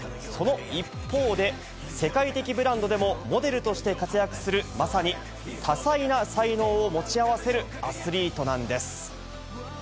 その一方で、世界的ブランドでもモデルとして活躍するまさに多彩な才能を持ち合わせるアスリートなんです。